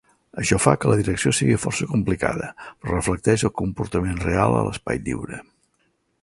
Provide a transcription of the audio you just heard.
Això fa que la direcció sigui força complicada, però reflecteix el comportament real a l'espai lliure.